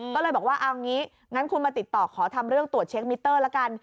ก็เลยบอกว่าเอางี้งั้นคุณมาติดต่อขอทำเรื่องตรวจเช็คมิเตอร์ละกัน